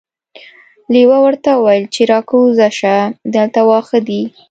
لیوه ورته وویل چې راکوزه شه دلته واښه دي.